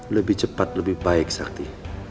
lebih cepat lebih baik sakti